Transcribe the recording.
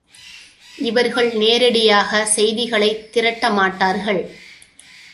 இவர்கள் நேரிடையாகச் செய்திகளைத் திரட்டமாட்டார்கள்.